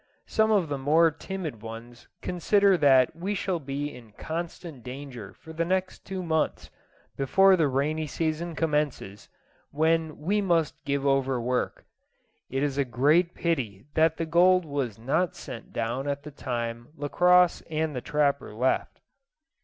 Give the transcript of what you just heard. Some of the more timid ones consider that we shall be in constant danger for the next two months before the rainy season commences, when we must give over work. It is a great pity that the gold was not sent down at the time Lacosse and the trapper left.